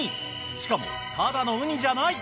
しかもただのウニじゃない。